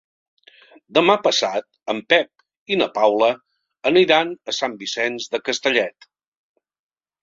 Demà passat en Pep i na Paula aniran a Sant Vicenç de Castellet.